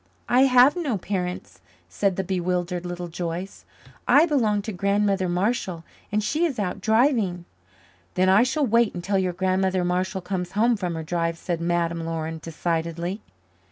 "I have no parents," said the bewildered Little Joyce. "I belong to Grandmother Marshall, and she is out driving." "Then I shall wait until your Grandmother Marshall comes home from her drive," said Madame Laurin decidedly.